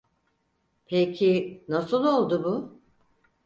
Peki, nasıl oldu bu?